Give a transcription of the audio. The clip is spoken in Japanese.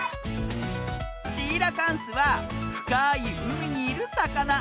シーラカンスはふかいうみにいるさかな。